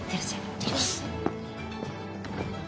いってきます。